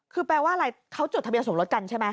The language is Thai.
คือแปลว่าอะไรเขาจดทะเบียนสมรสกันใช่ไหม